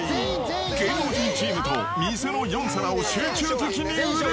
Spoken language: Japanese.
芸能人チームと店の４皿を集中的に売る。